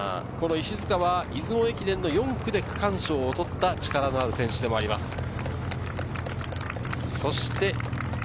石塚は出雲駅伝４区で区間賞を取った力のある選手です。